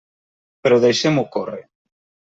Però deixem-ho córrer.